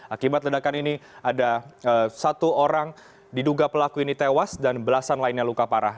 akibat ledakan ini ada satu orang diduga pelaku ini tewas dan belasan lainnya luka parah